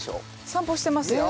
散歩してますよ。